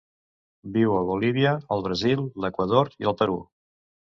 Viu a Bolívia, el Brasil, l'Equador i el Perú.